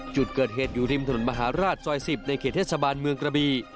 จุดเกิดเหตุอยู่ริมถนนมหาราชสอย๑๐ตำน้ำรับเขเออทริปเชี่ยวธรรมงค์กระบี